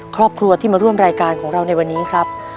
ครอบครัวที่มาร่วมรายการของเราในวันนี้ครับ